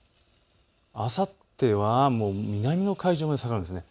あさってはもう南の海上まで下がるんです。